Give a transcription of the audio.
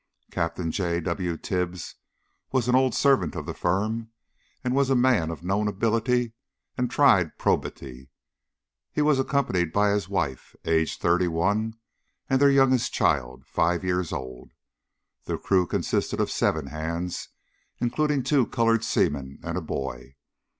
Captain J. W. Tibbs was an old servant of the firm, and was a man of known ability and tried probity. He was accompanied by his wife, aged thirty one, and their youngest child, five years old. The crew consisted of seven hands, including two coloured seamen, and a boy.